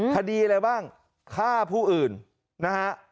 คดีอะไรบ้างฆ่าผู้อื่นนะฮะ